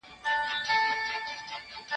هغه وويل چي لوبه ښه ده!؟